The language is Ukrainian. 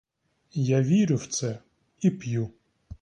Я вірю в це, і п'ю.